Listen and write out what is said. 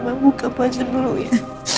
mama buka panci dulu ya